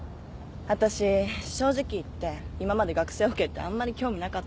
わたし正直言って今まで学生オケってあんまり興味なかったんだけど。